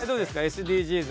ＳＤＧｓ。